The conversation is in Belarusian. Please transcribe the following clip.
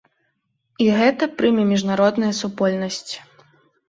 І гэта прыме міжнародная супольнасць.